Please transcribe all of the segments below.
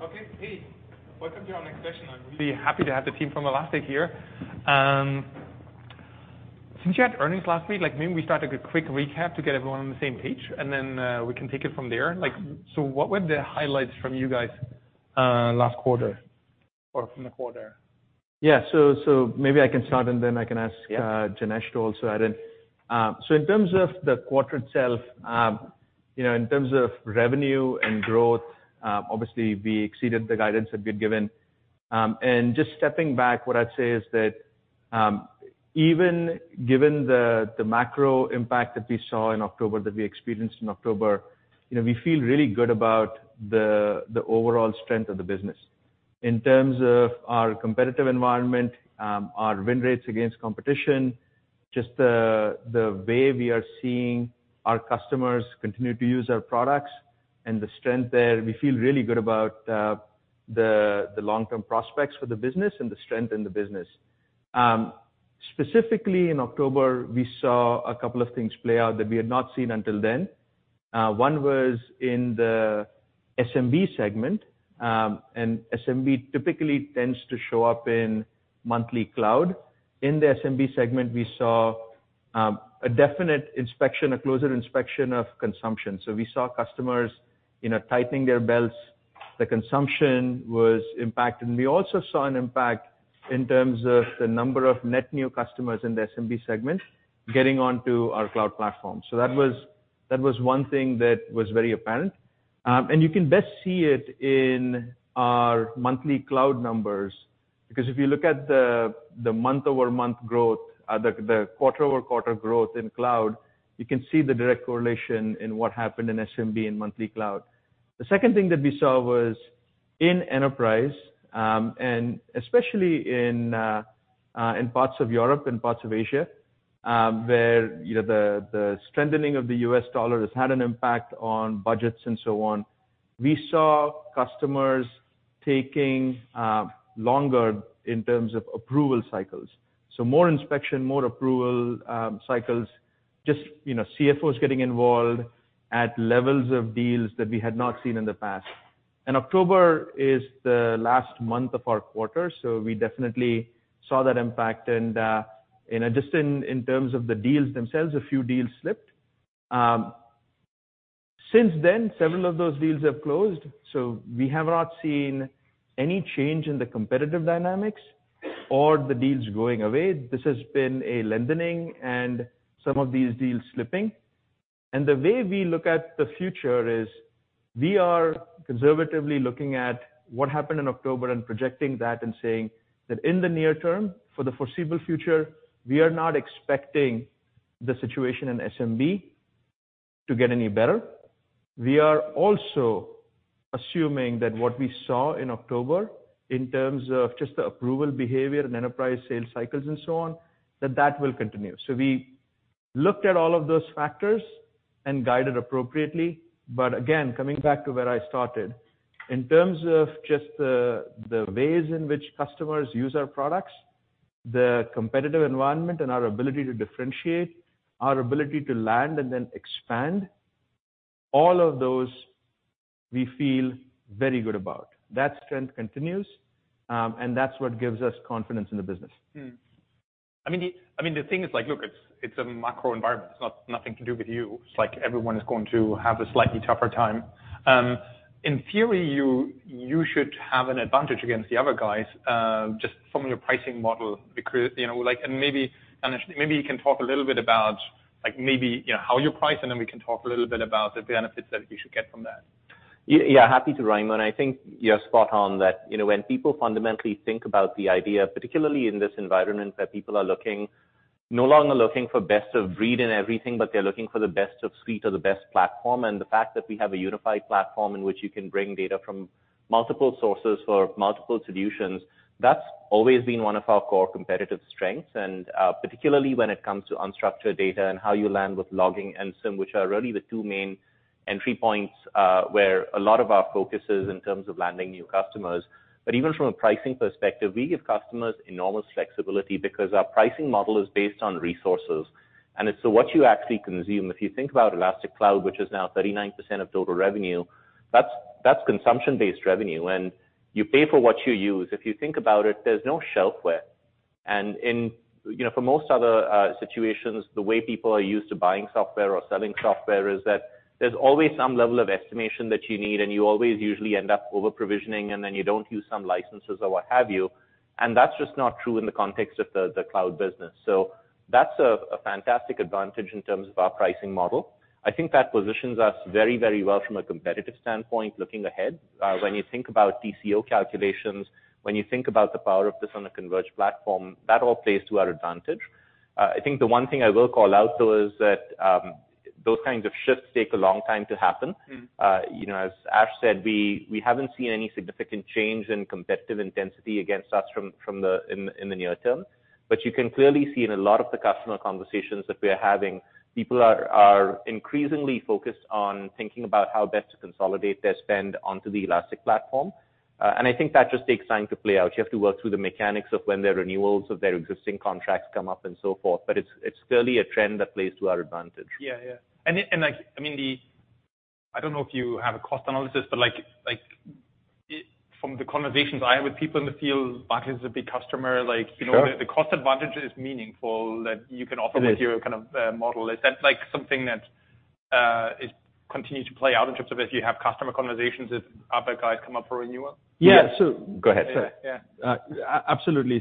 All right. Okay. Hey, welcome to our next session. I'm really happy to have the team from Elastic here. Since you had earnings last week, like, maybe we start with a quick recap to get everyone on the same page, and then, we can take it from there. Like, what were the highlights from you guys, last quarter or from the quarter? Yeah. Maybe I can start, and then I can ask- Yeah. Janesh to also add in. In terms of the quarter itself, you know, in terms of revenue and growth, obviously we exceeded the guidance that we had given. Just stepping back, what I'd say is that, even given the macro impact that we saw in October, that we experienced in October, you know, we feel really good about the overall strength of the business. In terms of our competitive environment, our win rates against competition, just the way we are seeing our customers continue to use our products and the strength there, we feel really good about the long-term prospects for the business and the strength in the business. Specifically in October, we saw a couple of things play out that we had not seen until then. One was in the SMB segment. SMB typically tends to show up in monthly cloud. In the SMB segment, we saw a definite inspection, a closer inspection of consumption. We saw customers, you know, tightening their belts. The consumption was impacted. We also saw an impact in terms of the number of net new customers in the SMB segment getting onto our cloud platform. That was one thing that was very apparent. You can best see it in our monthly cloud numbers, because if you look at the month-over-month growth, the quarter-over-quarter growth in cloud, you can see the direct correlation in what happened in SMB and monthly cloud. The second thing that we saw was in enterprise, and especially in parts of Europe and parts of Asia, where, you know, the strengthening of the US dollar has had an impact on budgets and so on. We saw customers taking longer in terms of approval cycles. More inspection, more approval cycles, just, you know, CFOs getting involved at levels of deals that we had not seen in the past. October is the last month of our quarter, so we definitely saw that impact. Just in terms of the deals themselves, a few deals slipped. Since then, several of those deals have closed, so we have not seen any change in the competitive dynamics or the deals going away. This has been a lengthening and some of these deals slipping. The way we look at the future is we are conservatively looking at what happened in October and projecting that and saying that in the near term, for the foreseeable future, we are not expecting the situation in SMB to get any better. We are also assuming that what we saw in October in terms of just the approval behavior and enterprise sales cycles and so on, that that will continue. We looked at all of those factors and guided appropriately. Again, coming back to where I started, in terms of just the ways in which customers use our products, the competitive environment and our ability to differentiate, our ability to land and then expand, all of those we feel very good about. That strength continues, and that's what gives us confidence in the business. I mean the, I mean the thing is like, look, it's a macro environment. It's nothing to do with you. It's like everyone is going to have a slightly tougher time. In theory, you should have an advantage against the other guys, just from your pricing model, because, you know... Like, maybe, Janesh, maybe you can talk a little bit about like maybe, you know, how you price, and then we can talk a little bit about the benefits that you should get from that. Yeah, happy to, Raymond. I think you're spot on that, you know, when people fundamentally think about the idea, particularly in this environment where people are no longer looking for best of breed in everything, but they're looking for the best-of-suite or the best platform. The fact that we have a unified platform in which you can bring data from multiple sources for multiple solutions, that's always been one of our core competitive strengths. Particularly when it comes to unstructured data and how you land with logging and SIEM, which are really the two main entry points, where a lot of our focus is in terms of landing new customers. Even from a pricing perspective, we give customers enormous flexibility because our pricing model is based on resources, and it's so what you actually consume. If you think about Elastic Cloud, which is now 39% of total revenue, that's consumption-based revenue and you pay for what you use. If you think about it, there's no shelfware. You know, for most other situations, the way people are used to buying software or selling software is that there's always some level of estimation that you need, and you always usually end up over-provisioning, and then you don't use some licenses or what have you. That's just not true in the context of the cloud business. That's a fantastic advantage in terms of our pricing model. I think that positions us very, very well from a competitive standpoint looking ahead. When you think about TCO calculations, when you think about the power of this on a converged platform, that all plays to our advantage. I think the one thing I will call out, though, is that, those kinds of shifts take a long time to happen. Mm. You know, as Ash said, we haven't seen any significant change in competitive intensity against us in the near term. You can clearly see in a lot of the customer conversations that we are having, people are increasingly focused on thinking about how best to consolidate their spend onto the Elastic platform. I think that just takes time to play out. You have to work through the mechanics of when their renewals of their existing contracts come up and so forth. It's, it's clearly a trend that plays to our advantage. Yeah. Yeah. Like, I mean, I don't know if you have a cost analysis, but like, From the conversations I have with people in the field, Barclays is a big customer. Sure. You know, the cost advantage is meaningful that you can offer- It is. with your kind of, model. Is that like something that, it continues to play out in terms of if you have customer conversations if other guys come up for renewal? Yeah. Go ahead, sorry. Yeah. Absolutely.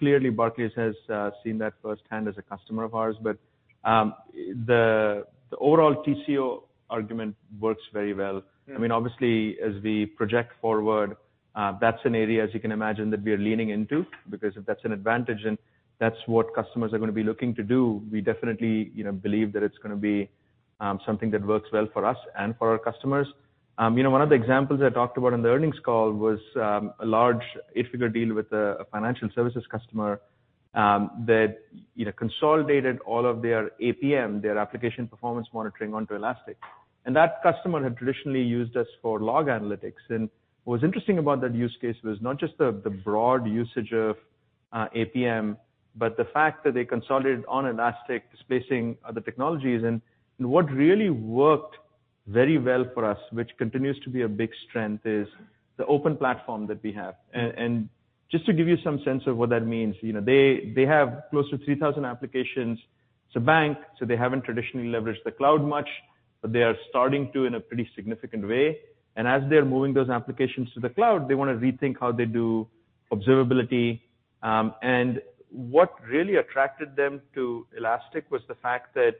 Clearly Barclays has seen that firsthand as a customer of ours. The overall TCO argument works very well. Yeah. I mean, obviously, as we project forward, that's an area, as you can imagine, that we are leaning into because if that's an advantage and that's what customers are going to be looking to do, we definitely, you know, believe that it's going to be something that works well for us and for our customers. You know, one of the examples I talked about on the earnings call was a large 8-figure deal with a financial services customer that, you know, consolidated all of their APM, their application performance monitoring, onto Elastic. That customer had traditionally used us for log analytics. What was interesting about that use case was not just the broad usage of APM, but the fact that they consolidated on Elastic displacing other technologies. What really worked very well for us, which continues to be a big strength, is the open platform that we have. Just to give you some sense of what that means, you know, they have close to 3,000 applications. It's a bank, so they haven't traditionally leveraged the cloud much, but they are starting to in a pretty significant way. As they're moving those applications to the cloud, they wanna rethink how they do observability. What really attracted them to Elastic was the fact that,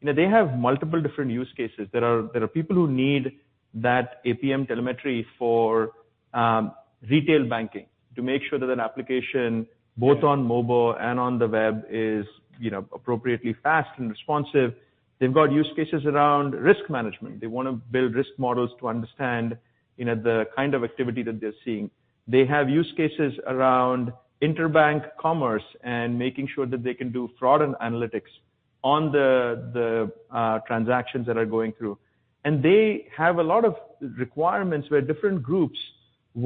you know, they have multiple different use cases. There are people who need that APM telemetry for retail banking to make sure that an application- Yeah. Both on mobile and on the web is, you know, appropriately fast and responsive. They've got use cases around risk management. They wanna build risk models to understand, you know, the kind of activity that they're seeing. They have use cases around interbank commerce and making sure that they can do fraud analytics on the transactions that are going through. they have a lot of requirements where different groups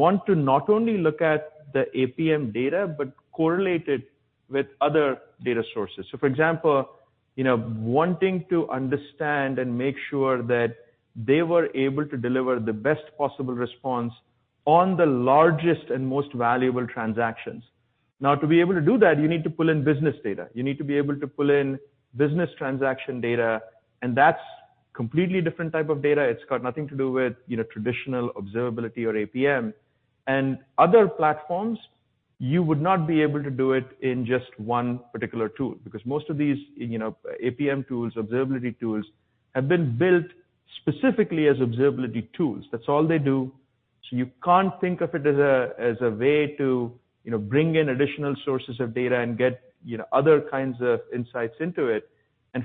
want to not only look at the APM data, but correlate it with other data sources. for example, you know, wanting to understand and make sure that they were able to deliver the best possible response on the largest and most valuable transactions. Now, to be able to do that, you need to pull in business data. You need to be able to pull in business transaction data, and that's completely different type of data. It's got nothing to do with, you know, traditional observability or APM. Other platforms, you would not be able to do it in just one particular tool because most of these, you know, APM tools, observability tools, have been built specifically as observability tools. That's all they do. You can't think of it as a way to, you know, bring in additional sources of data and get, you know, other kinds of insights into it.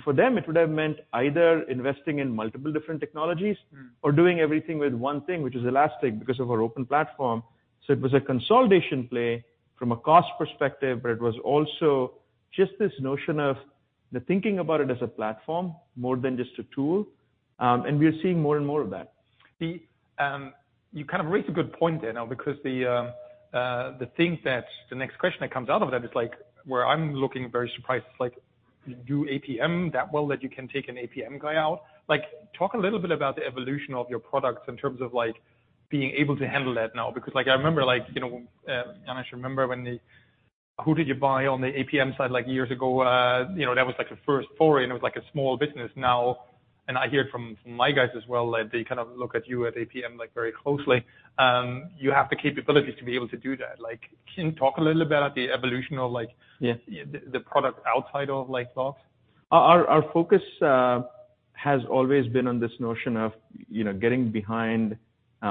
For them, it would have meant either investing in multiple different technologies- Mm. Doing everything with one thing, which is Elastic because of our open platform. It was a consolidation play from a cost perspective, but it was also just this notion of the thinking about it as a platform more than just a tool. We are seeing more and more of that. You kind of raised a good point there now because the next question that comes out of that is like, where I'm looking very surprised, is like, do APM that well that you can take an APM guy out? Like, talk a little bit about the evolution of your products in terms of like being able to handle that now. Like, I remember like, you know, and I just remember who did you buy on the APM side like years ago? You know, that was like the first foray, it was like a small business now. I hear it from my guys as well, like they kind of look at you at APM like very closely. You have the capabilities to be able to do that. Like, can you talk a little bit at the evolution of? Yes. The product outside of like bots? Our focus has always been on this notion of, you know, getting behind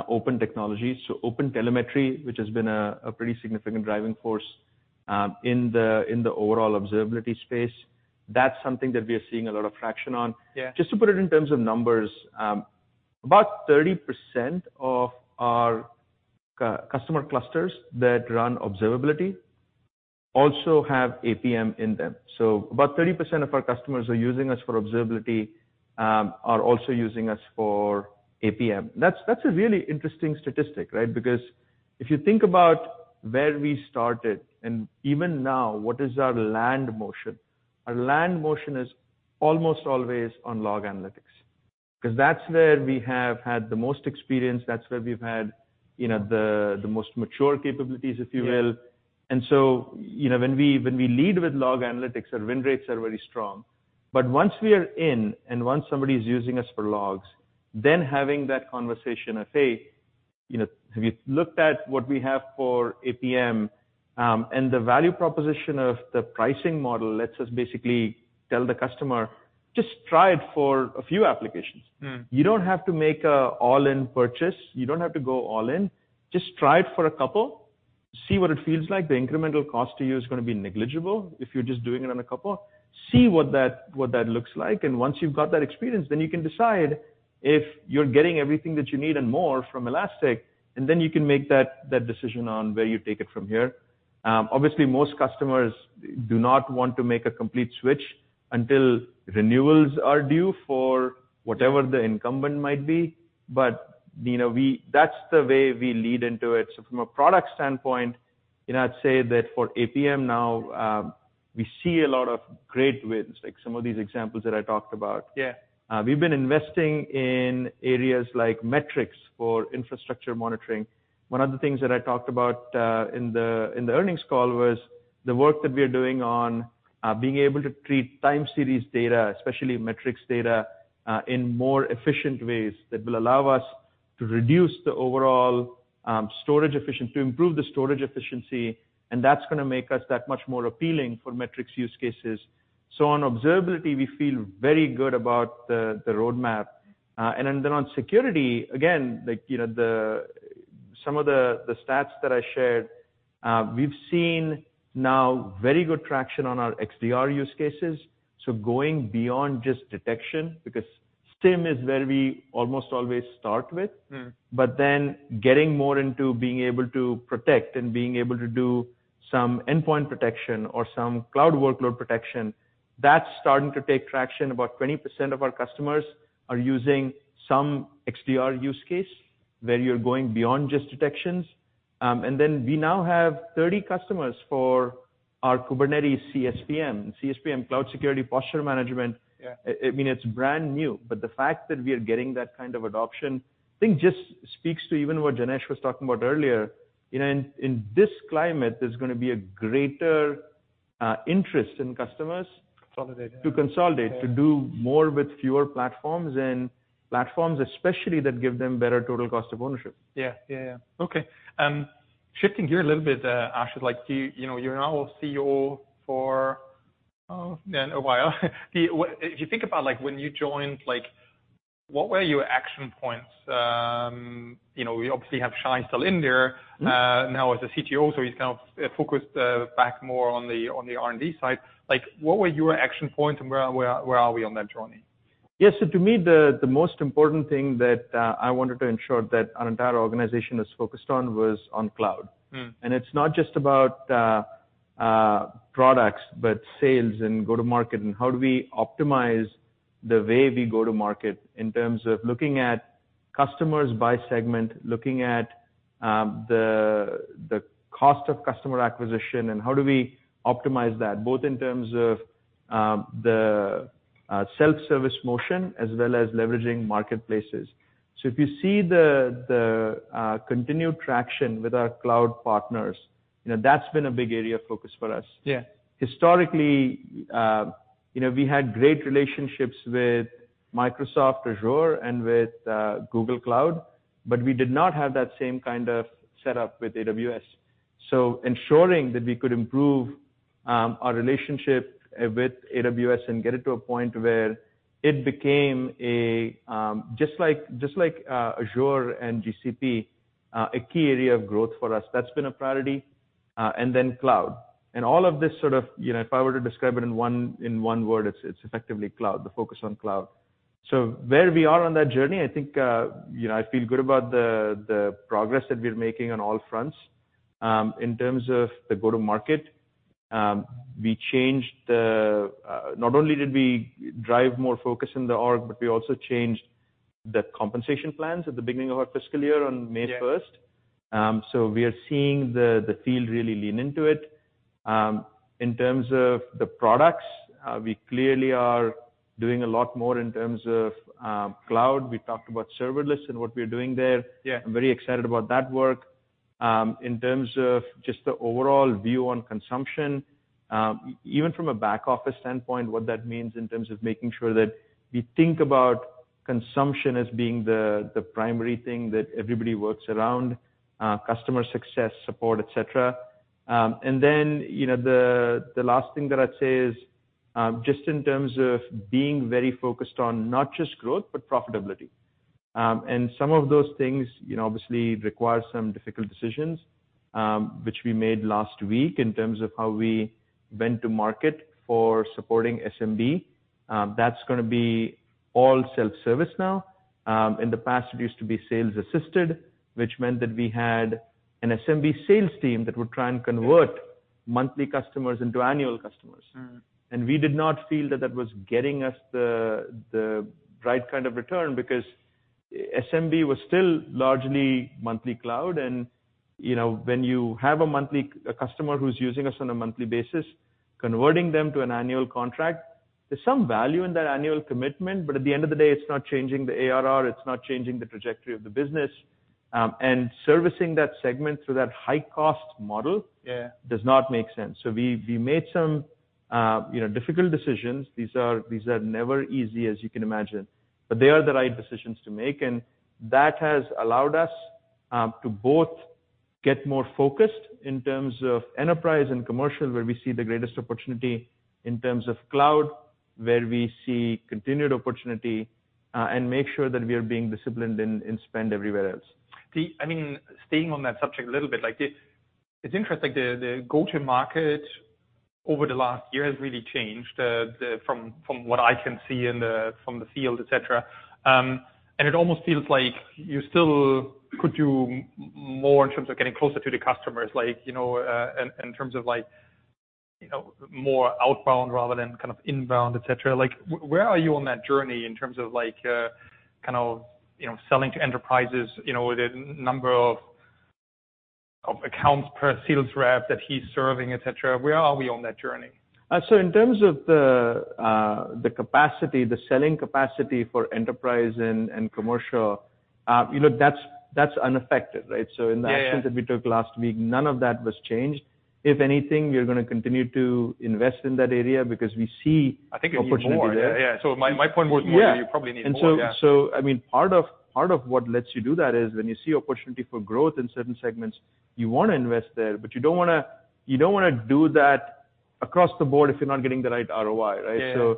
open technology. OpenTelemetry, which has been a pretty significant driving force, in the overall observability space. That's something that we are seeing a lot of traction on. Yeah. Just to put it in terms of numbers, about 30% of our customer clusters that run observability also have APM in them. About 30% of our customers who are using us for observability are also using us for APM. That's a really interesting statistic, right? If you think about where we started, and even now, what is our land motion? Our land motion is almost always on log analytics 'cause that's where we have had the most experience. That's where we've had, you know, the most mature capabilities, if you will. Yeah. You know, when we, when we lead with log analytics, our win rates are very strong. Once we are in and once somebody's using us for logs, then having that conversation of, "Hey, you know, have you looked at what we have for APM?" The value proposition of the pricing model lets us basically tell the customer, "Just try it for a few applications. Mm. You don't have to make a all-in purchase. You don't have to go all in. Just try it for a couple. See what it feels like. The incremental cost to you is gonna be negligible if you're just doing it on a couple. See what that looks like. Once you've got that experience, then you can decide if you're getting everything that you need and more from Elastic, then you can make that decision on where you take it from here. Obviously, most customers do not want to make a complete switch until renewals are due for whatever the incumbent might be. You know, that's the way we lead into it. From a product standpoint, you know, I'd say that for APM now, we see a lot of great wins, like some of these examples that I talked about. Yeah. We've been investing in areas like metrics for infrastructure monitoring. One of the things that I talked about in the earnings call was the work that we are doing on being able to treat time series data, especially metrics data, in more efficient ways that will allow us to improve the storage efficiency, and that's gonna make us that much more appealing for metrics use cases. On observability, we feel very good about the roadmap. On security, again, like, you know, some of the stats that I shared, we've seen now very good traction on our XDR use cases. Going beyond just detection, because SIEM is where we almost always start with. Mm. Getting more into being able to protect and being able to do some endpoint protection or some cloud workload protection, that's starting to take traction. About 20% of our customers are using some XDR use case where you're going beyond just detections. We now have 30 customers for our Kubernetes CSPM. CSPM, Cloud Security Posture Management. Yeah. I mean, it's brand new. The fact that we are getting that kind of adoption, I think just speaks to even what Janesh was talking about earlier. You know, in this climate, there's gonna be a greater interest in customers- Consolidate ...to consolidate. Yeah. To do more with fewer platforms and platforms especially that give them better total cost of ownership. Yeah. Yeah. Yeah. Okay. Shifting gear a little bit, Ash, like, you know, you're now CEO for, oh, man, a while. If you think about, like, when you joined, like, what were your action points? You know, we obviously have Shay still in there. Mm-hmm. Now as a CTO, so he's kind of focused, back more on the R&D side. Like, what were your action points and where are we on that journey? Yeah. To me, the most important thing that I wanted to ensure that our entire organization is focused on was on cloud. Mm. It's not just about products, but sales and go-to-market and how do we optimize the way we go to market in terms of looking at customers by segment, looking at the cost of customer acquisition and how do we optimize that, both in terms of the self-service motion as well as leveraging marketplaces. If you see the continued traction with our cloud partners, you know, that's been a big area of focus for us. Yeah. Historically, you know, we had great relationships with Microsoft Azure and with Google Cloud, but we did not have that same kind of setup with AWS. Ensuring that we could improve our relationship with AWS and get it to a point where it became a just like Azure and GCP, a key area of growth for us. That's been a priority. Cloud. All of this sort of, you know, if I were to describe it in one word, it's effectively cloud, the focus on cloud. Where we are on that journey, I think, you know, I feel good about the progress that we're making on all fronts. In terms of the go-to-market, we changed the... Not only did we drive more focus in the org, but we also changed the compensation plans at the beginning of our fiscal year on May first. Yeah. We are seeing the field really lean into it. In terms of the products, we clearly are doing a lot more in terms of, cloud. We talked about Serverless and what we're doing there. Yeah. I'm very excited about that work. In terms of just the overall view on consumption, even from a back office standpoint, what that means in terms of making sure that we think about consumption as being the primary thing that everybody works around, customer success, support, et cetera. You know, the last thing that I'd say is, just in terms of being very focused on not just growth, but profitability. Some of those things, you know, obviously require some difficult decisions, which we made last week in terms of how we went to market for supporting SMB. That's gonna be all self-service now. In the past, it used to be sales assisted, which meant that we had an SMB sales team that would try and convert monthly customers into annual customers. Mm. We did not feel that that was getting us the right kind of return because SMB was still largely monthly cloud. You know, when you have a customer who's using us on a monthly basis, converting them to an annual contract, there's some value in that annual commitment, but at the end of the day, it's not changing the ARR, it's not changing the trajectory of the business. Servicing that segment through that high cost model. Yeah Does not make sense. We made some, you know, difficult decisions. These are never easy, as you can imagine, but they are the right decisions to make. That has allowed us to both get more focused in terms of enterprise and commercial, where we see the greatest opportunity in terms of cloud, where we see continued opportunity, and make sure that we are being disciplined in spend everywhere else. See, I mean, staying on that subject a little bit, like, the... It's interesting, the go-to-market over the last year has really changed, from what I can see from the field, et cetera. It almost feels like you still could do more in terms of getting closer to the customers. Like, you know, in terms of like, you know, more outbound rather than kind of inbound, et cetera. Like where are you on that journey in terms of like, kind of, you know, selling to enterprises, you know, with a number of accounts per sales rep that he's serving, et cetera? Where are we on that journey? In terms of the capacity, the selling capacity for enterprise and commercial, you know, that's unaffected, right? Yeah, yeah. In the actions that we took last week, none of that was changed. If anything, we're gonna continue to invest in that area because we see opportunity there. I think you need more. Yeah, yeah. My point was more that you probably need more, yeah. Yeah. I mean, part of what lets you do that is when you see opportunity for growth in certain segments, you wanna invest there, but you don't wanna do that across the board if you're not getting the right ROI, right? Yeah.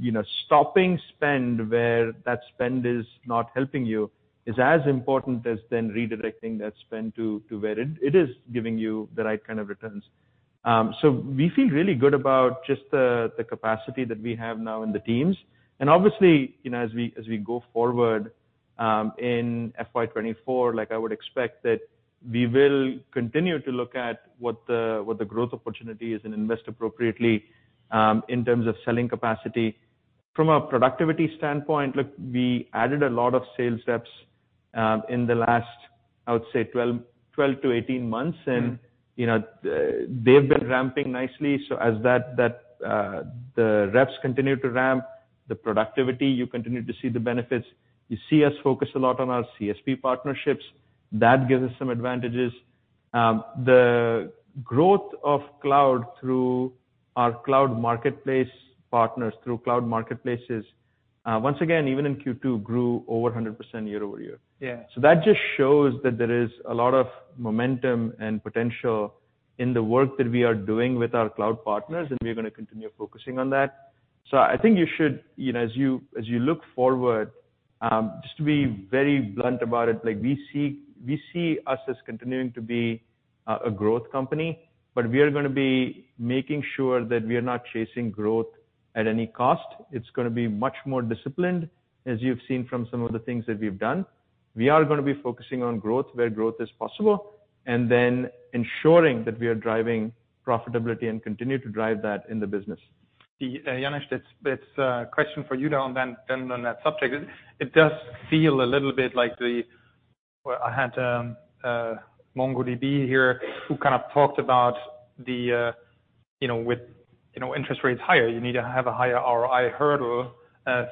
You know, stopping spend where that spend is not helping you is as important as then redirecting that spend to where it is giving you the right kind of returns. We feel really good about just the capacity that we have now in the teams. Obviously, you know, as we go forward, in FY 2024, like I would expect that we will continue to look at what the growth opportunity is and invest appropriately in terms of selling capacity. From a productivity standpoint, look, we added a lot of sales reps in the last, I would say 12 to 18 months. Mm-hmm. You know, they've been ramping nicely, so as that the reps continue to ramp the productivity, you continue to see the benefits. You see us focus a lot on our CSP partnerships. That gives us some advantages. The growth of cloud through our cloud marketplace partners, through cloud marketplaces, once again, even in Q2, grew over 100% year-over-year. Yeah. That just shows that there is a lot of momentum and potential in the work that we are doing with our cloud partners, and we're gonna continue focusing on that. I think you should, you know, as you look forward, just to be very blunt about it, like we see us as continuing to be a growth company, but we are gonna be making sure that we are not chasing growth at any cost. It's gonna be much more disciplined, as you've seen from some of the things that we've done. We are gonna be focusing on growth where growth is possible, and then ensuring that we are driving profitability and continue to drive that in the business. Janesh, that's a question for you now and then on that subject. It does feel a little bit like the... Well, I had MongoDB here who kind of talked about the, you know, with, you know, interest rates higher, you need to have a higher ROI hurdle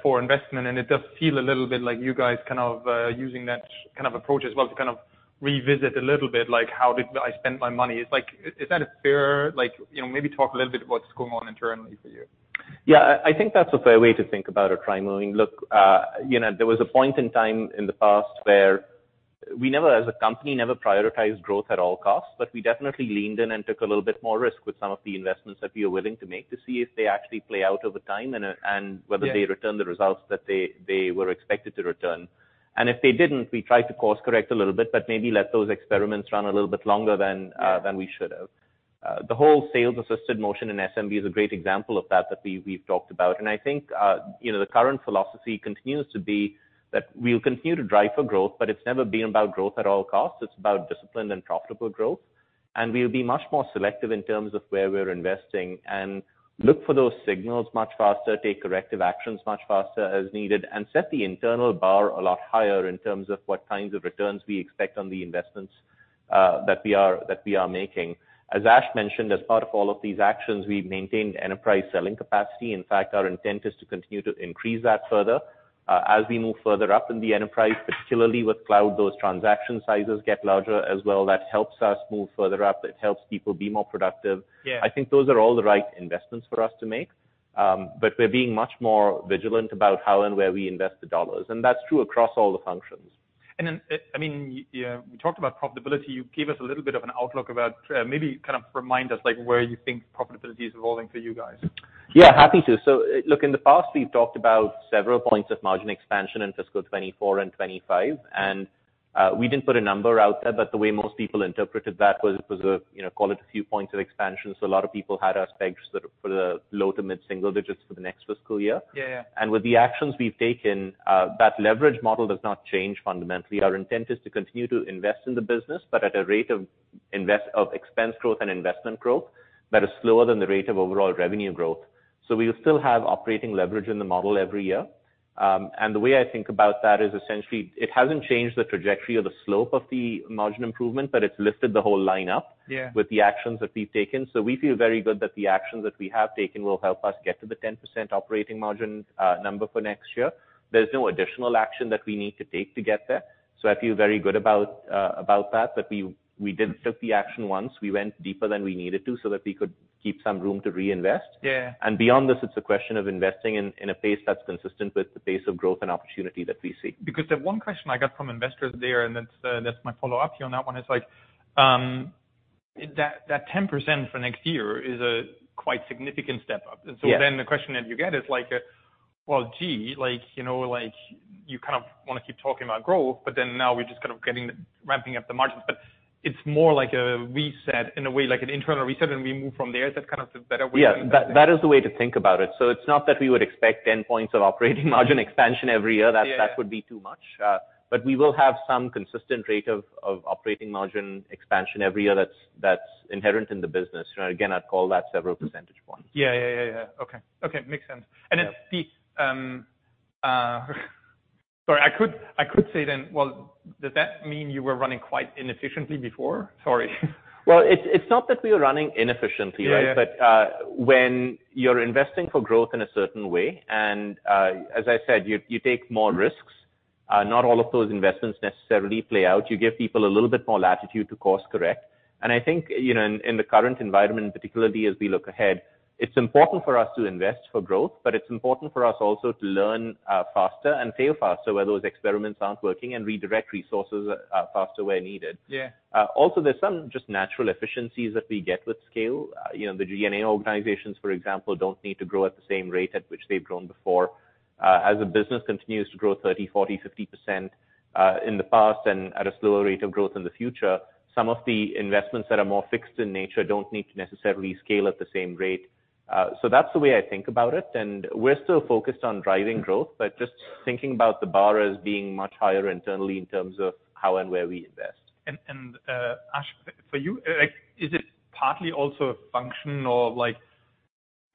for investment. It does feel a little bit like you guys kind of using that kind of approach as well to kind of revisit a little bit like, how did I spend my money? It's like, is that a fair... Like, you know, maybe talk a little bit what's going on internally for you? Yeah. I think that's a fair way to think about it, Raimo. I mean, look, you know, there was a point in time in the past where we never as a company, never prioritized growth at all costs, but we definitely leaned in and took a little bit more risk with some of the investments that we are willing to make to see if they actually play out over time. Yeah whether they return the results that they were expected to return. If they didn't, we tried to course correct a little bit, but maybe let those experiments run a little bit longer than. Yeah ...than we should have. The whole sales assisted motion in SMB is a great example of that we've talked about. I think, you know, the current philosophy continues to be that we'll continue to drive for growth, but it's never been about growth at all costs. It's about discipline and profitable growth. We'll be much more selective in terms of where we're investing and look for those signals much faster, take corrective actions much faster as needed, and set the internal bar a lot higher in terms of what kinds of returns we expect on the investments that we are making. As Ash mentioned, as part of all of these actions, we've maintained enterprise selling capacity. In fact, our intent is to continue to increase that further, as we move further up in the enterprise, particularly with cloud, those transaction sizes get larger as well. That helps us move further up. It helps people be more productive. Yeah. I think those are all the right investments for us to make. We're being much more vigilant about how and where we invest the dollars, and that's true across all the functions. I mean, yeah, we talked about profitability. You gave us a little bit of an outlook about, maybe kind of remind us like where you think profitability is evolving for you guys? Yeah, happy to. Look, in the past, we've talked about several points of margin expansion in fiscal 2024 and 2025. We didn't put a number out there, but the way most people interpreted that was a, you know, call it a few points of expansion. A lot of people had us pegged sort of for the low to mid-single digits for the next fiscal year. Yeah, yeah. With the actions we've taken, that leverage model does not change fundamentally. Our intent is to continue to invest in the business, but at a rate of expense growth and investment growth that is slower than the rate of overall revenue growth. We'll still have operating leverage in the model every year. The way I think about that is essentially it hasn't changed the trajectory or the slope of the margin improvement, but it's lifted the whole line up. Yeah With the actions that we've taken. We feel very good that the actions that we have taken will help us get to the 10% operating margin, number for next year. There's no additional action that we need to take to get there. I feel very good about that we did take the action once. We went deeper than we needed to so that we could keep some room to reinvest. Yeah. Beyond this, it's a question of investing in a pace that's consistent with the pace of growth and opportunity that we see. The one question I got from investors there, and that's my follow-up here on that one, is like, that 10% for next year is a quite significant step up. Yeah. The question that you get is like, Well, gee, like, you know, like you kind of wanna keep talking about growth, but then now we're just kind of ramping up the margins. It's more like a reset in a way, like an internal reset, and we move from there. Is that kind of the better way to think about it? Yeah. That is the way to think about it. It's not that we would expect 10 points of operating margin expansion every year. Yeah. That would be too much. We will have some consistent rate of operating margin expansion every year that's inherent in the business. You know, again, I'd call that several percentage points. Yeah. Yeah. Yeah. Yeah. Okay. Okay. Makes sense. Yeah. It speaks. Sorry. I could say then, well, does that mean you were running quite inefficiently before? Sorry. Well, it's not that we were running inefficiently, right? Yeah. Yeah. When you're investing for growth in a certain way, and, as I said, you take more risks, not all of those investments necessarily play out. You give people a little bit more latitude to course-correct. I think, you know, in the current environment particularly as we look ahead, it's important for us to invest for growth, but it's important for us also to learn faster and fail faster where those experiments aren't working and redirect resources faster where needed. Yeah. Also there's some just natural efficiencies that we get with scale. You know, the G&A organizations, for example, don't need to grow at the same rate at which they've grown before. As a business continues to grow 30%, 40%, 50%, in the past and at a slower rate of growth in the future, some of the investments that are more fixed in nature don't need to necessarily scale at the same rate. That's the way I think about it, and we're still focused on driving growth, but just thinking about the bar as being much higher internally in terms of how and where we invest. Ash, for you, like, is it partly also a function of like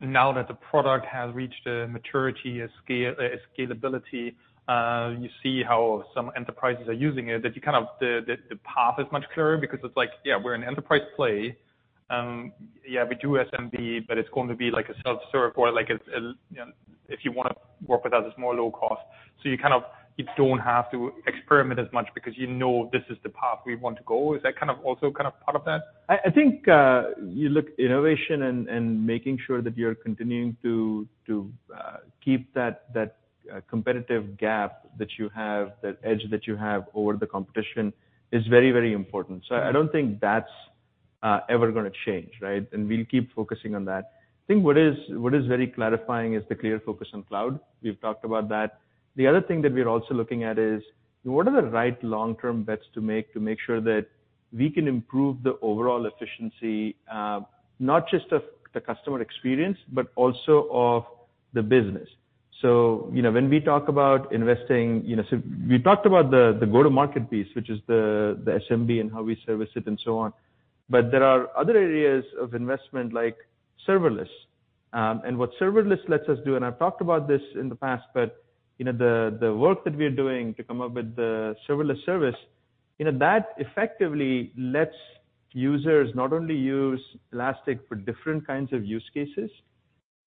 now that the product has reached a maturity, a scale, scalability, you see how some enterprises are using it, that you kind of the path is much clearer because it's like, yeah, we're an enterprise play. Yeah, we do SMB, but it's going to be like a self-serve or like it's, you know, if you wanna work with us, it's more low cost. You kind of, you don't have to experiment as much because you know this is the path we want to go. Is that kind of also kind of part of that? I think, you look innovation and making sure that you're continuing to keep that competitive gap that you have, that edge that you have over the competition is very important. I don't think that's ever gonna change, right? We'll keep focusing on that. I think what is very clarifying is the clear focus on cloud. We've talked about that. The other thing that we're also looking at is what are the right long-term bets to make to make sure that we can improve the overall efficiency, not just of the customer experience, but also of the business. You know, when we talk about investing, you know... We talked about the go-to-market piece, which is the SMB and how we service it and so on, but there are other areas of investment like Serverless. What Serverless lets us do, and I've talked about this in the past, but, you know, the work that we are doing to come up with the Serverless service, you know, that effectively lets users not only use Elastic for different kinds of use cases,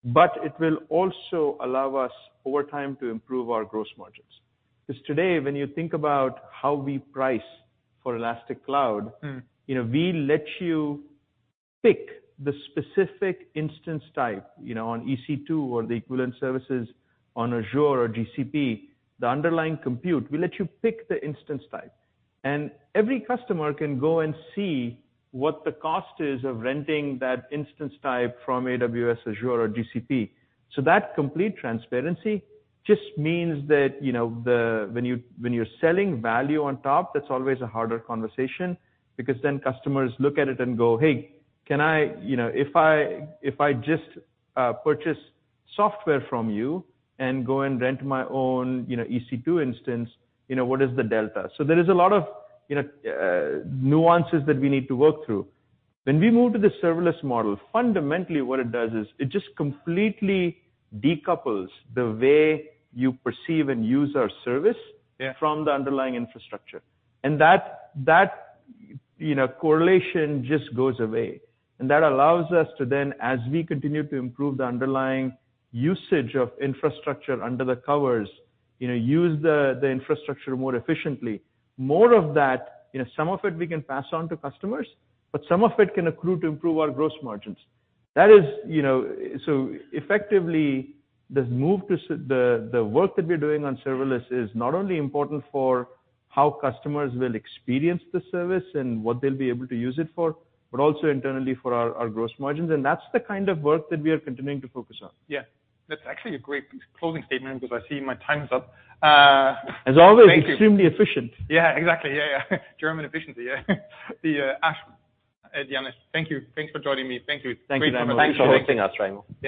but it will also allow us over time to improve our gross margins. Today, when you think about how we price for Elastic Cloud... Mm. You know, we let you pick the specific instance type, you know, on EC2 or the equivalent services on Azure or GCP. The underlying compute will let you pick the instance type. Every customer can go and see what the cost is of renting that instance type from AWS, Azure, or GCP. That complete transparency just means that, you know, when you, when you're selling value on top, that's always a harder conversation because then customers look at it and go, "Hey, can I... You know, if I, if I just, purchase software from you and go and rent my own, you know, EC2 instance, you know, what is the delta?" There is a lot of, you know, nuances that we need to work through. When we move to the Serverless model, fundamentally what it does is it just completely decouples the way you perceive and use our service. Yeah. From the underlying infrastructure. That, you know, correlation just goes away. That allows us to then, as we continue to improve the underlying usage of infrastructure under the covers, you know, use the infrastructure more efficiently. More of that, you know, some of it we can pass on to customers, but some of it can accrue to improve our gross margins. That is, you know. Effectively, The work that we're doing on Serverless is not only important for how customers will experience the service and what they'll be able to use it for, but also internally for our gross margins. That's the kind of work that we are continuing to focus on. Yeah. That's actually a great closing statement because I see my time's up. As always, extremely efficient. Yeah, exactly. Yeah, yeah. German efficiency. Yeah. Ash and Janesh, thank you. Thanks for joining me. Thank you. Thank you very much for having us. Thanks for hosting us, Raimo.